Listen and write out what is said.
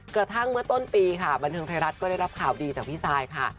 กระทั่งเมื่อต้นปีค่ะบันเทิงไทยรัฐก็ได้รับข่าวดีจากพี่ซายค่ะ